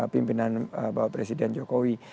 pimpinan presiden jokowi